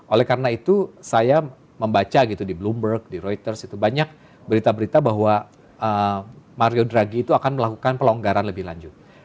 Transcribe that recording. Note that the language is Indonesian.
oleh karena itu saya membaca gitu di bloomberg di reuters itu banyak berita berita bahwa mario dragi itu akan melakukan pelonggaran lebih lanjut